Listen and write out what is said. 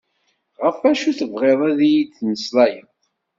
Ɣef acu tebɣiḍ ad yi-d-temmeslayeḍ?